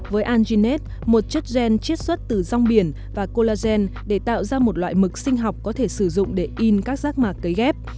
với alginate một chất gen triết xuất từ rong biển và collagen để tạo ra một loại mực sinh học có thể sử dụng để in các giác mạc cấy ghép